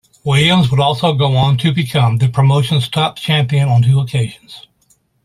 Williams would also go on to become the promotion's top champion on two occasions.